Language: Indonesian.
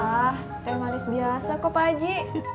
ah teh manis biasa kok pak haji